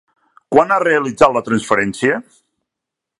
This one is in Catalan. Quan ha realitzat la transferència?